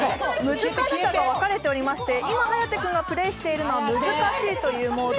難しさが分かれておりまして、今、颯君がプレーしてるのは難しいというモ−ド。